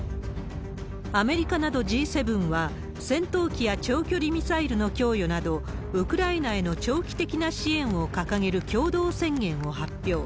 アメリカなどＧ７は、戦闘機や長距離ミサイルの供与など、ウクライナへの長期的な支援を掲げる共同宣言を発表。